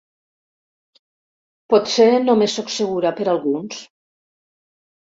Potser només soc segura per a alguns.